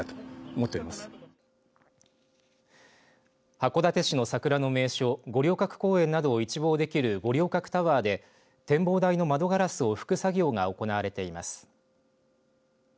函館市の桜の名所五稜郭公園などを一望できる五稜郭タワーで展望台の窓ガラスを拭く作業が行われています。